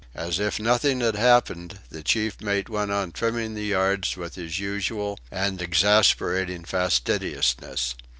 As if nothing had happened, the chief mate went on trimming the yards with his usual and exasperating fastidiousness.